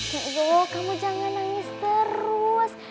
kenzo kamu jangan nangis terus